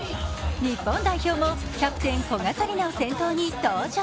日本代表もキャプテン古賀紗理那を先頭に登場。